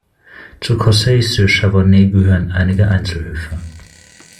Zu Corcelles-sur-Chavornay gehören einige Einzelhöfe.